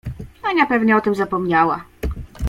Ania pewnie o tym zapomniała.